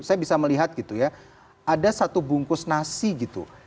saya bisa melihat gitu ya ada satu bungkus nasi gitu